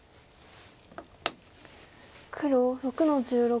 黒６の十六。